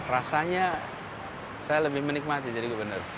rasanya saya lebih menikmati jadi gubernur